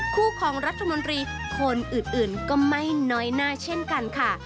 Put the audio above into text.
คู่ของรัฐมนตรีคนอื่นก็ไม่น้อยหน้าเช่นกันค่ะ